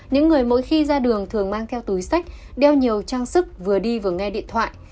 những người mỗi khi ra đường thường mang theo túi sách đeo nhiều trang sức vừa đi vừa nghe điện thoại